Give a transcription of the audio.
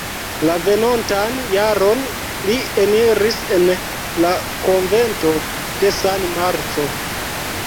La venontan jaron li eniris en la konvento de San Marco.